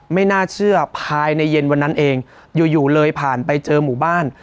ไม่น่าเชื่อภายในเย็นวันนั้นเองอยู่อยู่เลยผ่านไปเจอหมู่บ้าน